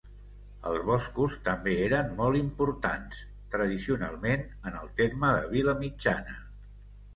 Els boscos també eren molt importants, tradicionalment, en el terme de Vilamitjana.